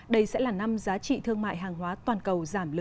đây sẽ là năm giá trị thương mại hàng hóa toàn cầu giảm lớn